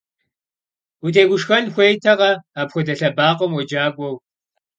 Утегушхуэн хуейтэкъэ апхуэдэ лъэбакъуэм уеджакӏуэу!